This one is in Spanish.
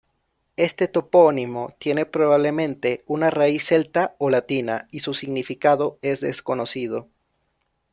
Este topónimo tiene probablemente una raíz celta o latina y su significado es desconocido.